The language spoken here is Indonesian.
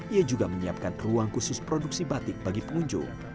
ia juga menyiapkan ruang khusus produksi batik bagi pengunjung